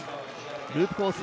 ループコース